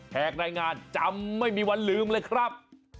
หากรายงานจำไม่มีวันลืมเลยครับ